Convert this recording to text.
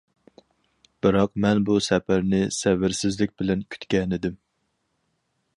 بىراق مەن بۇ سەپەرنى سەۋرسىزلىك بىلەن كۈتكەنىدىم.